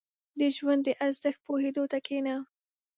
• د ژوند د ارزښت پوهېدو ته کښېنه.